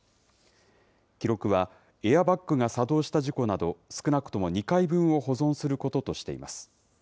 記録は、エアバッグが作動した事故など少なくとも２回分を保存することとしています。